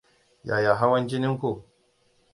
yaya hawan jinin ku?